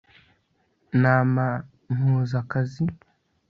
Nama mpuze akazi